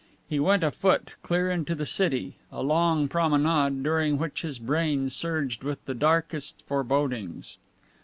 He went afoot clear into the city, a long promenade, during which his brain surged with the darkest forebodings.